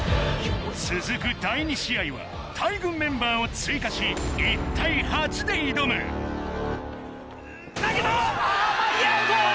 続く第２試合は大群メンバーを追加し１対８で挑む投げた！